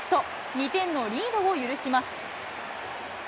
２点のリードを許します。